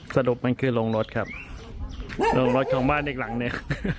สรุปมันคือลงรถครับลงรถของบ้านอีกหลังนึง